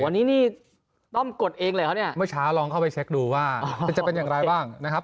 วันนี้นี่ต้องกดเองเลยครับเนี่ยเมื่อเช้าลองเข้าไปเช็คดูว่ามันจะเป็นอย่างไรบ้างนะครับ